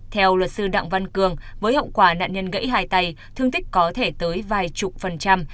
theo luật sư đặng văn cường với hậu quả nạn nhân gãy hai tay thương tích có thể tới vài chục phần trăm